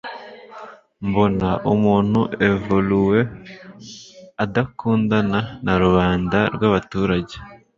mbona umuntu evoluwe atandukana na rubanda rw'abaturage